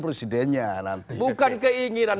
presidennya bukan keinginan